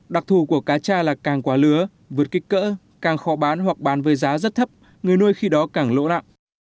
đặc thù của cá tra là càng quá lứa vượt kích cỡ càng khó bán hoặc bán với giá rất thấp người nuôi khi đó càng lỗ nặng